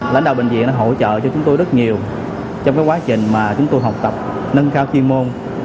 lãnh đạo bệnh viện đã hỗ trợ cho chúng tôi rất nhiều trong quá trình mà chúng tôi học tập nâng cao chuyên môn